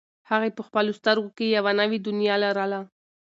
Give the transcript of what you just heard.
هغې په خپلو سترګو کې یوه نوې دنیا لرله.